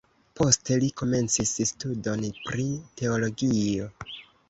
Poste li komencis studon pri teologio.